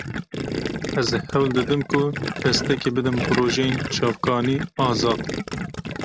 Ez hewl didim ku destekê bidim projeyên çavkanî-azad.